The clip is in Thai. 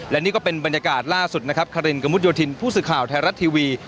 และนี่ก็เป็นบรรยากาศล่าสุดนะครับคารินกระมุดโยธินผู้สื่อข่าวไทยรัฐทีวี